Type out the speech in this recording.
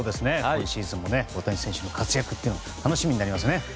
今シーズンも大谷選手の活躍が楽しみになりますね。